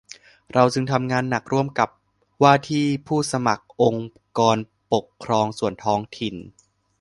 เราจึงทำงานหนักร่วมกับว่าที่ผู้สมัครองค์กรปกครองส่วนท้องถิ่น